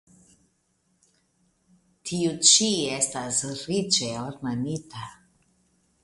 Tiu ĉi estas riĉe ornamita.